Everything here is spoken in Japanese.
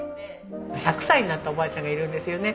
１００歳になったおばあちゃんがいるんですよね。